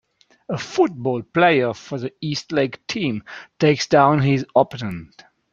A football player for the East Lake team takes down his opponent.